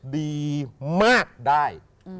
ดีมากได้